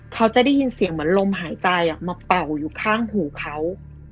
เขาจะได้ยินเสียงเหมือนลมหายใจมาเป่าอยู่ข้างหูเขา